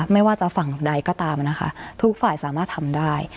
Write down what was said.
ไม่ว่าจะฝั่งใดก็ตามนะคะทุกฝ่ายสามารถทำได้